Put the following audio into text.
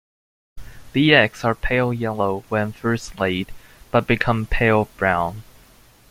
The eggs are pale yellow when first laid, but become pale brown.